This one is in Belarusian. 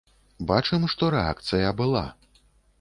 Бачым, што рэакцыя была.